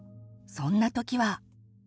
そんな時は？